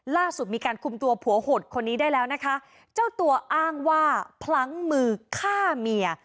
ล่าสุดมีการคุมตัวผัวหดคนนี้ได้แล้วนะคะเจ้าตัวอ้างว่าพลั้งมือฆ่าเมีย